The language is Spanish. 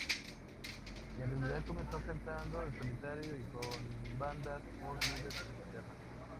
En realidad comenzó cantando en solitario y con bandas por clubes de Inglaterra.